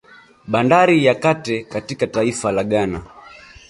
Bandari ya Kate katika taifa la Ghana